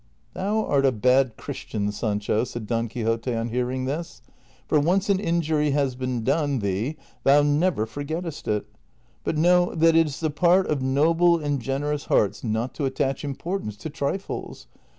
" Thou art a bad Christian, Sancho," said Don Quixote on hearing this, " for once an injury has been done thee thou never forgettest it : but know that it is the part of noble and generous hearts not to attach importance to trifles.